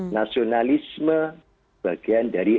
nasionalisme bagian dari